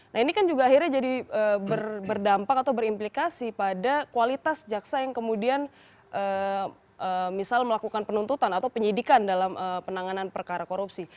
nah ini kan juga akhirnya jadi berdampak atau berimplikasi pada kualitas jaksa yang kemudian misal melakukan penuntutan atau penyidikan dalam penanganan perkara korupsi